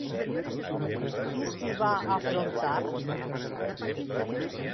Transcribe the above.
Qui s'hi va afrontar?